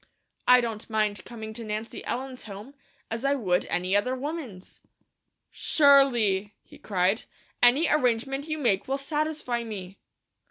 I don't mind coming to Nancy Ellen's home, as I would another woman's." "Surely!" he cried. "Any arrangement you make will satisfy me."